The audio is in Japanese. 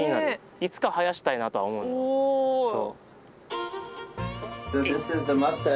いつか生やしたいなとは思うのよ。